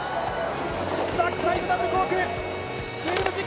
バックサイドダブルコーク１２６０。